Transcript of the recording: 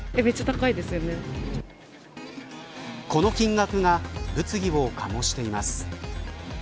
この金額が物議を醸しています。